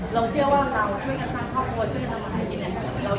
เราเชื่อว่าเราช่วยกันสร้างครอบครัวช่วยทำมาหากินแล้ว